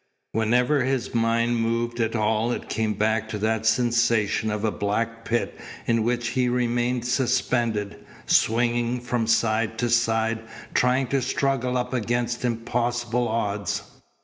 Whenever his mind moved at all it came back to that sensation of a black pit in which he remained suspended, swinging from side to side, trying to struggle up against impossible odds.